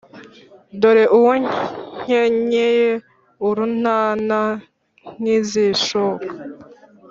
Dore uwo nkenyeye urantana nk'izishoka,